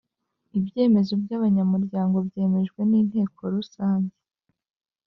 Ibyemezo by’abanyamuryango byemejwe n’Inteko Rusange